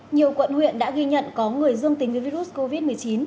nhiều quận huyện đã ghi nhận có người dương tính với virus covid một mươi chín